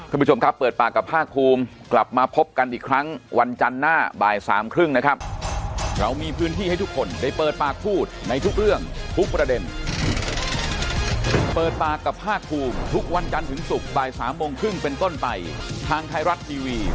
คุณผู้ชมครับเปิดปากกับภาคภูมิกลับมาพบกันอีกครั้งวันจันทร์หน้าบ่ายสามครึ่งนะครับ